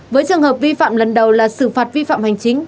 với trường hợp vi phạm lần đầu là xử phạt vi phạm hành chính